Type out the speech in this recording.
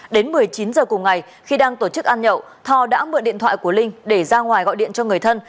đến một mươi chín h cùng ngày khi đang tổ chức ăn nhậu thò đã mượn điện thoại của linh để ra ngoài gọi điện cho người thân